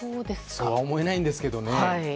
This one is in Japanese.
そうは思えないんですけどね。